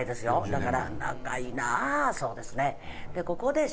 だから長いなそうですね。